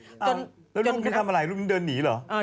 แล้วรูปนี้ทำอะไรรูปนี้เดินหนีเหรอ